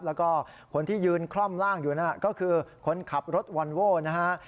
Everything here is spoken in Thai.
แล้วก็คนที่ยืนคล่อมร่างอยู่นั่นก็คือคนขับรถวอนโว้นะฮะ